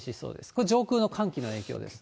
これ、上空の寒気の影響です。